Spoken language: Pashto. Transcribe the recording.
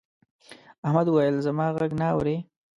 احمد وويل: زما غږ نه اوري.